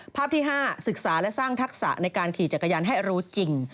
ภาพที่๕ศึกษาและสร้างทักษะในการขี่จักรยานให้รู้จริง